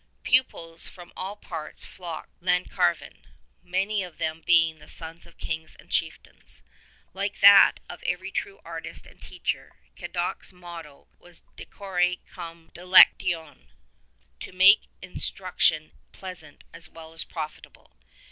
'' Pupils from all parts flocked to Llancarvan, many of them being the sons of kings and chieftains. Like that of every true artist and teacher, Cadoc's motto was docere cum delec tatione, to make instruction pleasant as well as profitable.